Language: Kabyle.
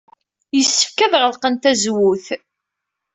Yessefk ad ɣelqen tazewwut?